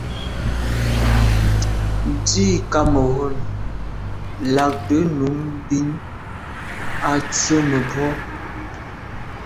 Ndzî Cameroun là'də̌ nù bìn à' tswə́ mə̀bró.